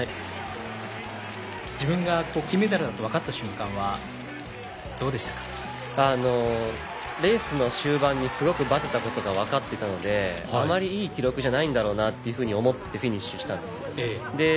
自分が金メダルだと分かった瞬間はレースの終盤にすごくばてたことが分かっていたのであまりいい記録じゃないんだろうなというふうに思ってフィニッシュしたんです。